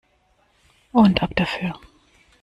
Und ab dafür!